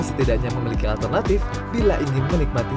setidaknya memiliki alternatif bila ingin menikmati